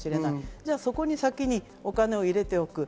じゃあそこに先にお金を入れておく。